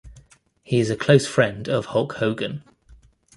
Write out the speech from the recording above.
He is a close friend of Hulk Hogan.